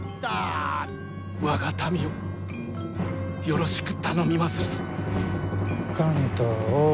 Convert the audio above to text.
我が民をよろしく頼みまするぞ。